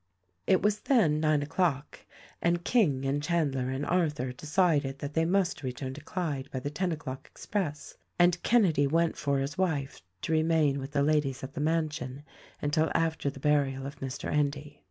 It was then nine o'clock and King and Chandler and Arthur decided that they must return to Clyde by the ten o'clock express, and Kenedy went for his wife to remain THE RECORDING ANGEL 239 with the ladies at the mansion until after the burial of Mr. Endy.